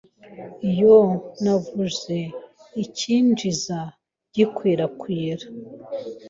Yoo navuze icyinjiza gikwirakwira